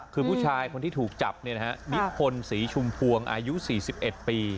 คือผู้ชายคนที่ถูกจับนิพนธ์ศรีชุมพวงอายุ๔๑ปี